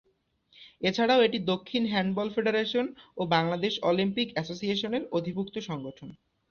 এছাড়াও এটি দক্ষিণ হ্যান্ডবল ফেডারেশন ও বাংলাদেশ অলিম্পিক অ্যাসোসিয়েশনের অধিভুক্ত সংগঠন।